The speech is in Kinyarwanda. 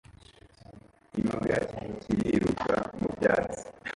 Imbwa iriruka mu byatsi